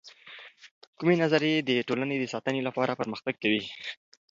کومې نظریې د ټولنې د ساتنې لپاره پر مختګ کوي؟